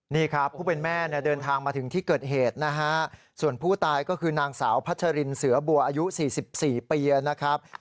นี่ครับผู้เป็นแม่เนี่ยเดินทางมาถึงที่เกิดเหตุนะฮะส่วนผู้ตายก็คือนางสาวพัชรินเสือบัวอายุ๔๔ปีนะครับ